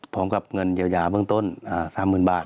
พร้อมกับเงินเยียวยาเบื้องต้น๓๐๐๐บาท